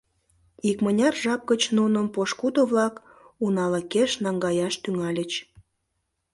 Икмыняр жап гыч нуным пошкудо-влак уналыкеш наҥгаяш тӱҥальыч.